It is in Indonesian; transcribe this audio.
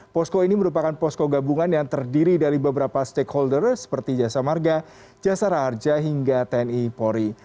posko ini merupakan posko gabungan yang terdiri dari beberapa stakeholder seperti jasa marga jasara harja hingga tni polri